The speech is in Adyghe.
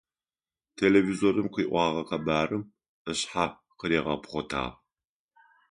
Телевизорым къыӏогъэ къэбарым ышъхьэ къыригъэпхъотагъ.